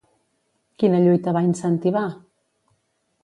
Quina lluita va incentivar?